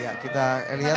ya kita lihat